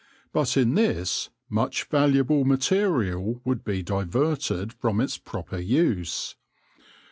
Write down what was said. But in this, much valuable material would be diverted from its proper use.